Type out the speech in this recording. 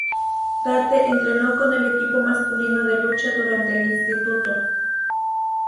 Tate entrenó con el equipo masculino de lucha durante el instituto.